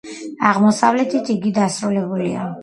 აღმოსავლეთით იგი დასრულებულია.